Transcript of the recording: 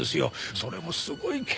それもすごい剣幕でね。